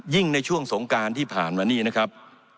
ในช่วงสงการที่ผ่านมานี่นะครับ